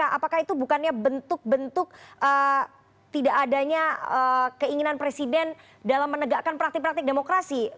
apakah itu bukannya bentuk bentuk tidak adanya keinginan presiden dalam menegakkan praktik praktik demokrasi